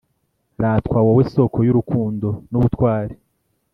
ratwa wowe soko y'urukundo n'ubutwari,